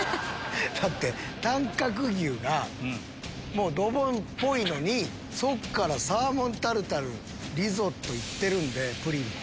だって短角牛がドボンっぽいのにそっからサーモンタルタルリゾット行ってるんでプリンも。